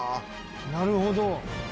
「なるほど」